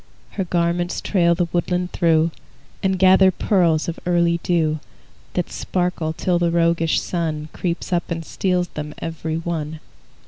Her garments trail the woodland through, And gather pearls of early dew That sparkle till the roguish Sun Creeps up and steals them every one.